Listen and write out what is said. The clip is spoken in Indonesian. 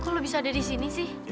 kok lu bisa ada di sini